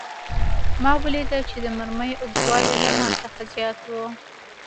ما ولیدل چې د مرمۍ اوږدوالی له ما څخه زیات و